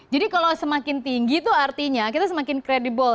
jadi kalau semakin tinggi itu artinya kita semakin kredibel